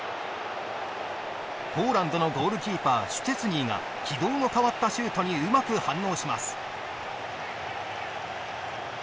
ポーランドのゴールキーパーシュチェスニーが軌道の変わったシュートにうまく反応します。